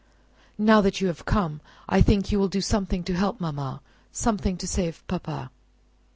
"Now that you have come, I think you will do something to help mamma, something to save papa!